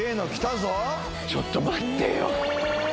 ちょっと待ってよ